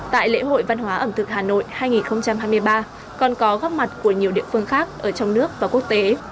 tại lễ hội văn hóa ẩm thực hà nội hai nghìn hai mươi ba còn có góc mặt của nhiều địa phương khác ở trong nước và quốc tế